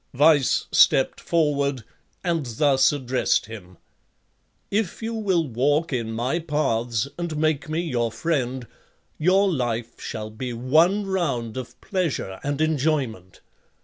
Vice stepped forward and thus addressed him: "If you will walk in my paths, and make me your friend, your life shall be one round of pleasure and enjoyment.